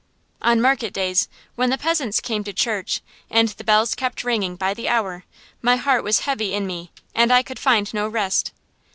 On market days, when the peasants came to church, and the bells kept ringing by the hour, my heart was heavy in me, and I could find no rest.